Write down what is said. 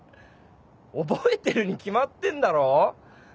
覚えてるに決まってんだろう。